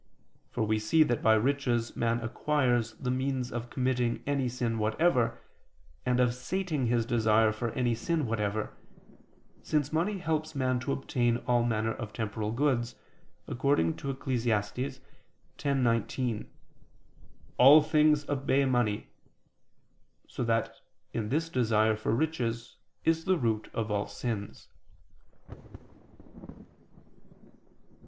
For we see that by riches man acquires the means of committing any sin whatever, and of sating his desire for any sin whatever, since money helps man to obtain all manner of temporal goods, according to Eccles. 10:19: "All things obey money": so that in this desire for riches is the root of all sins.